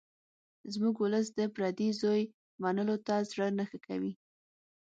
زموږ ولس د پردي زوی منلو ته زړه نه ښه کوي